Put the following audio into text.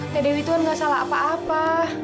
tadewi itu enggak salah apa apa